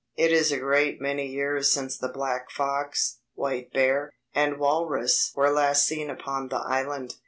It is a great many years since the black fox, white bear, and walrus were last seen upon the island.